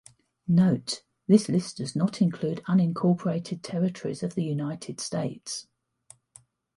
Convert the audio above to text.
Note: This list does not include unincorporated territories of the United States.